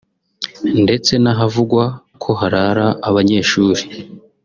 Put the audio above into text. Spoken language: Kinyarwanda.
ndetse n’ahavugwa ko harara abanyeshuri